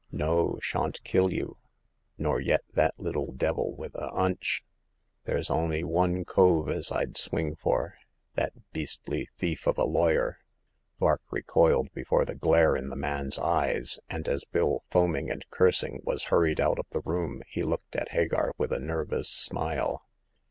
No ; shawn't kill you, nor yet that little d 1 with th' 'unch. There's on'y one cove as Fd swing for — that beastly thief of a lawyer !" Vark recoiled before the glare in the man's eyes ; and as Bill, foaming and cursing, was hurried out of the room, he looked at Hagar with a nervous smile.